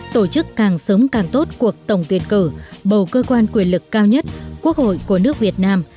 tổ chức càng sớm càng tốt cuộc tổng tuyển cử bầu cơ quan quyền lực cao nhất quốc hội của nước việt nam